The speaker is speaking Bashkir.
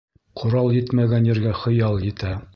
Ҡорал етмәгән ергә хыял етә.